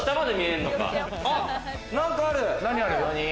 何かある。